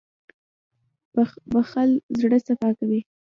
• بښل زړه صفا کوي.